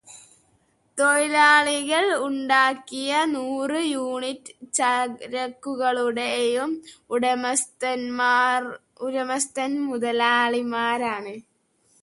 തൊഴിലാളികൾ ഉണ്ടാക്കിയ നൂറ് യൂണിറ്റ് ചരക്കുകളുടേയും ഉടമസ്ഥർ മുതലാളിമാരാണ്.